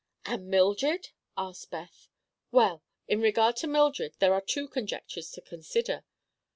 "And Mildred?" asked Beth. "Well, in regard to Mildred, there are two conjectures to consider.